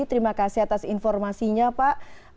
terima kasih atas informasinya pak